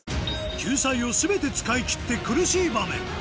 救済を全て使い切って苦しい場面